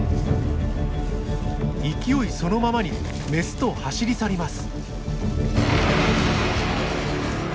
勢いそのままにメスと走り去ります。